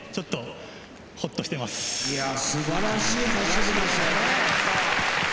すばらしい走りでしたよね。